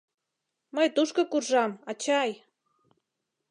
Мый тушко куржам, ачай!